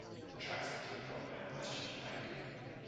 The tracks continued all the way up West Chester Pike.